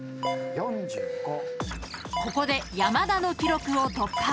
［ここで山田の記録を突破］